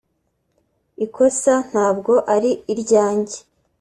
Ikosa ntabwo ari iryanjye